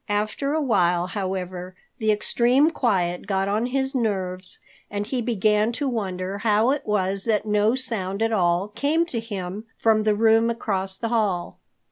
After a while, however, the extreme quiet got on his nerves, and he began to wonder how it was that no sound at all came to him from the room across the hall.